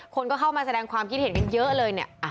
คนก็เข้ามาแสดงความคิดเห็นกันเยอะเลยเนี่ย